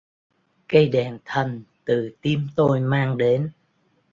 Cây đèn thần từ tim tôi mang đến